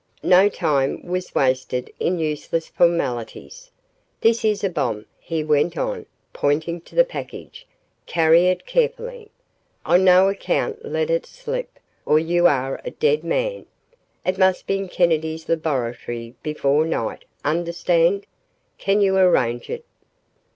No time was wasted in useless formalities. "This is a bomb," he went on, pointing to the package. "Carry it carefully. On no account let it slip, or you are a dead man. It must be in Kennedy's laboratory before night. Understand? Can you arrange it?"